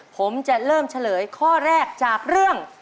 ผมจะเริ่มเฉลยข้อแรกจากเรื่อง